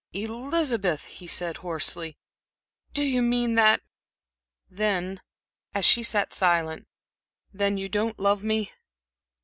"Elizabeth," he said, hoarsely, "do you mean that? Then" as she sat silent "you don't love me?"